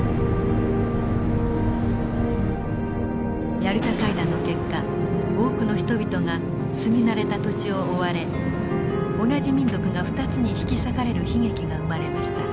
ヤルタ会談の結果多くの人々が住み慣れた土地を追われ同じ民族が２つに引き裂かれる悲劇が生まれました。